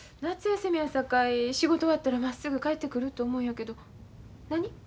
夏休みやさかい仕事終わったらまっすぐ帰ってくると思うんやけど何？